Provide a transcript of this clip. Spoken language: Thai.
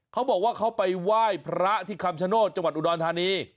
เขาบอกว่าเขาไปไหว้พระที่คำชโนธจังหวัดอุดรธานี